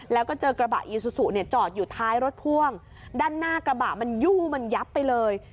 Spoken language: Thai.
แล้วก็เจอกระบะอีซูซูเนี่ยจอดอยู่ท้ายรถพ่วงด้านหน้ากระบะมันยู่มันยับไปเลย